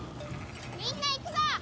みんないくぞ！